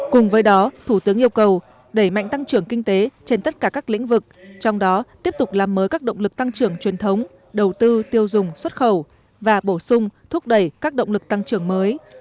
cùng với đó thủ tướng yêu cầu đẩy mạnh tăng trưởng kinh tế trên tất cả các lĩnh vực trong đó tiếp tục làm mới các động lực tăng trưởng truyền thống đầu tư tiêu dùng xuất khẩu và bổ sung thúc đẩy các động lực tăng trưởng mới